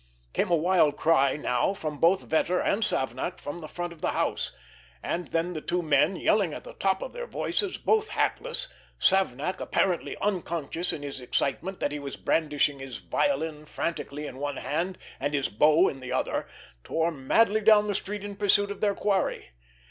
Came a wild cry now from both Vetter and Savnak from the front of the house; and then the two men, yelling at the top of their voices, both hatless, Savnak, apparently unconscious in his excitement that he was brandishing his violin frantically in one hand and his bow in the other, tore madly down the street in pursuit of their quarry.